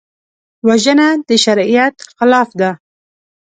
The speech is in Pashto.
وژنه د شریعت خلاف ده